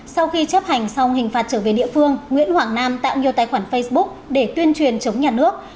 sau khi chấp hành xong hình phạt trở về địa phương nguyễn hoàng nam tạo nhiều tài khoản facebook để tuyên truyền chống nhà nước